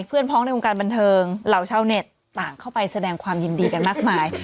พ้องในวงการบันเทิงเหล่าชาวเน็ตต่างเข้าไปแสดงความยินดีกันมากมาย